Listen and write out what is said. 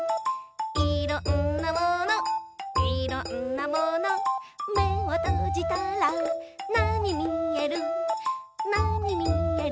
「いろんなものいろんなもの」「めをとじたらなにみえる？